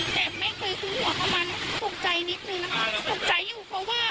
แต่ไม่เคยคุ้นหัวเข้ามาตกใจนิดหนึ่งนะคะตกใจอยู่เพราะว่า